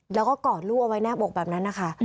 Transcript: แล้วก็กอดลูกเอาไว้แนบอกแบบนั้นนะคะ